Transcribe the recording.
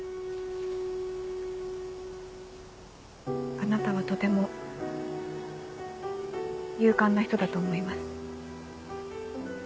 あなたはとても勇敢な人だと思います。